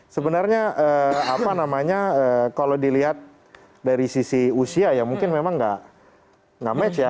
sebenarnya kalau dilihat dari sisi usia ya mungkin memang tidak match ya